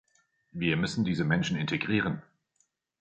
Wir müssen diese Menschen integrieren.